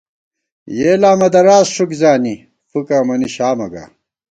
یېلاں مہ دراس ݭُک زانی، فُکہ امَنی شامہ گا